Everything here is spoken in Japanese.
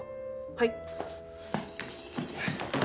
はい？